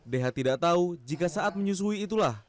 deha tidak tahu jika saat menyusui itulah